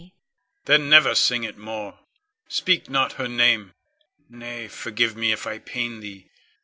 Then never sing it more, speak not her name! Nay, forgive me if I pain thee.